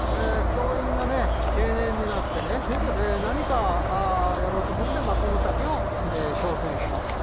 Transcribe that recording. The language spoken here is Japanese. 教員がね、定年になってね、何かやろうと思って、マコモタケを挑戦しました。